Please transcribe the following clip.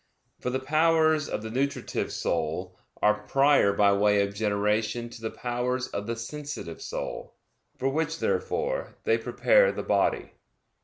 For the powers of the nutritive soul are prior by way of generation to the powers of the sensitive soul; for which, therefore, they prepare the body.